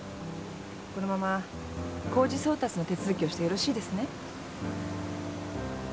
このまま公示送達の手続きをしてよろしいですね？